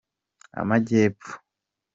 amajyepfo.